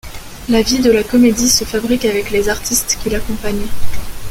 La vie de la Comédie se fabrique avec les artistes qui l’accompagnent.